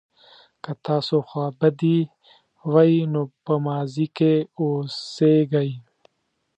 که تاسو خوابدي وئ نو په ماضي کې اوسیږئ.